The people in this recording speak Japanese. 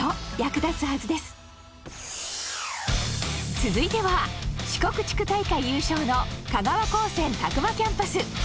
続いては四国地区大会優勝の香川高専詫間キャンパス。